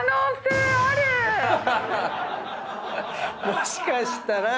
もしかしたら。